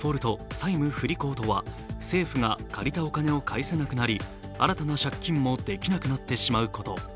債務不履行とは政府が借りたお金を返せなくなり新たな借金もできなくなってしまうこと。